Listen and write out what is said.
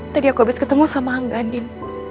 tadi aku habis ketemu sama angga din